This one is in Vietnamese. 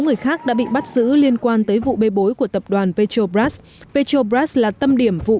người khác đã bị bắt giữ liên quan tới vụ bê bối của tập đoàn petrobras petrobras là tâm điểm vụ